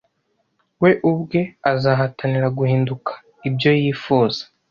We ubwe azahatanira guhinduka ibyo yifuza